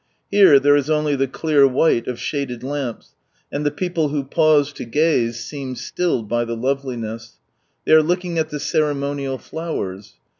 Here, there is only the clear white of shaded lamps; and the people who pause to gaze seem stilled by the loveliness. They are looking at the Ceremonial Flowers.